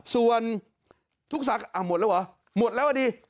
ส่วนทุกสาขาอ่ะหมดแล้วเหรอหมดแล้วอ่ะดี